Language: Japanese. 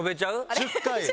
１０回。